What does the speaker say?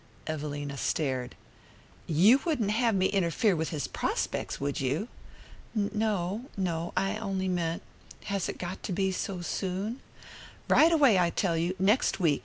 Evelina stared. "You wouldn't have me interfere with his prospects, would you?" "No no. I on'y meant has it got to be so soon?" "Right away, I tell you next week.